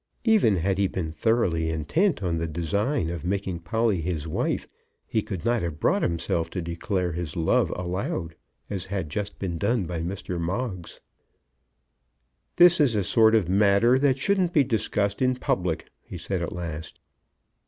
Even had he been thoroughly intent on the design of making Polly his wife, he could not have brought himself to declare his love aloud, as had just been done by Mr. Moggs. "This is a sort of matter that shouldn't be discussed in public," he said at last.